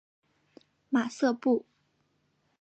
马瑟布。